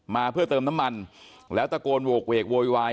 มาเพื่อเติมน้ำมันแล้วตะโกนโหกเวกโวยวาย